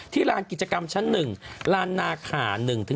ลานกิจกรรมชั้น๑ลานนาขา๑๕